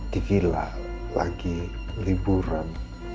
di vila lagi liburan